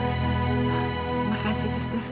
terima kasih suster